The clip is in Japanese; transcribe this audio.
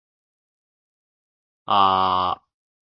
イェーイ君を好きで良かった